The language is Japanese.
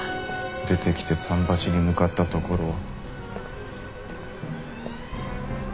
出てきて桟橋に向かったところを。